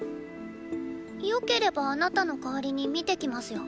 よければあなたの代わりに見てきますよ。